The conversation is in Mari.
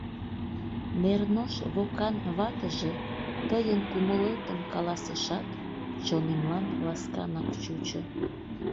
Нернош Вокан ватыже тыйын кумылетым каласышат, чонемлан ласканак чучо.